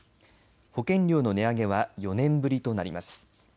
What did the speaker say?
保険料の値上げは４年ぶりとなります。